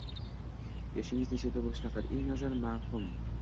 Yoshingiz nechada bo'lishidan qat'i nazar muhim.